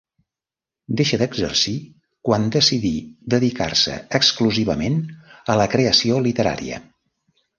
Deixa d'exercir quan decidí dedicar-se exclusivament a la creació literària.